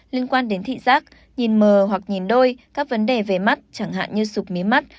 liên quan đến thị giác nhìn mờ hoặc nhìn đôi các vấn đề về mắt chẳng hạn như sụp mí mắt